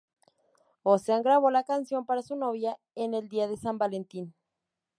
Ocean grabó la canción para su novia en el Día de San Valentín.